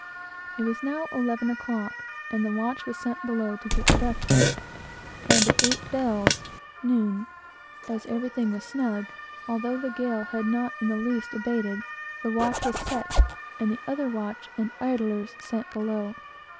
It was now eleven o'clock, and the watch was sent below to get breakfast, and at eight bells (noon), as everything was snug, although the gale had not in the least abated, the watch was set, and the other watch and idlers sent below.